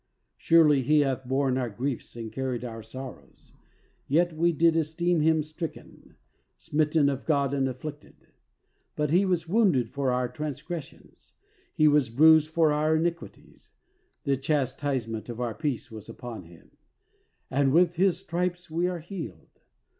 Surely He hath borne our griefs and carried our sorrows: yet we did esteem Him stricken, smitten of God and afflicted. But He was wounded for our transgressions, He was bruised for our iniquities; the chastisement of our peace was upon Him, and with His stripes we are healed.